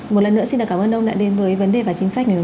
một lần nữa xin cảm ơn ông đã đến với vấn đề và chính sách ngày hôm nay